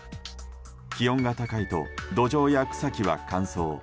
気温が高いと土壌や草木は乾燥。